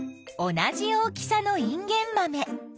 同じ大きさのインゲンマメ。